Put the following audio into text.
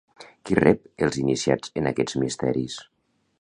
Qui rep els iniciats en aquests misteris?